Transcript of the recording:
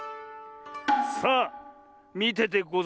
さあみててござれ。